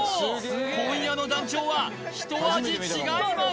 今夜の団長はひと味違います！